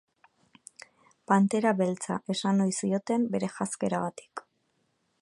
Pantera beltza esan ohi zioten bere janzkeragatik.